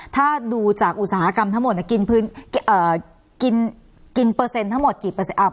ถ้าดูจากอุตสาหกรรมทั้งหมดกินเปอร์เซ็นต์ทั้งหมดกี่เปอร์เซ็นต์